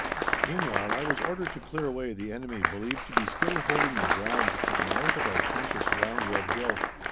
Meanwhile I was ordered to clear away the enemy believed to be still holding the ground to the north of our trenches round Red Hill.